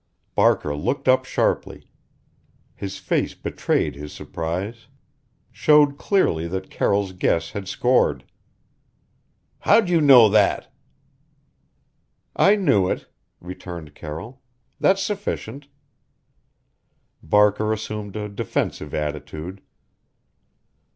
Barker looked up sharply. His face betrayed his surprise; showed clearly that Carroll's guess had scored. "How'd you know that?" "I knew it," returned Carroll. "That's sufficient." Barker assumed a defensive attitude.